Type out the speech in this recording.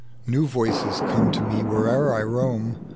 " New voices come to me where'er I roam.